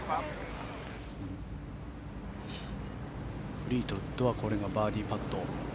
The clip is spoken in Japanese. フリートウッドはこれがバーディーパット。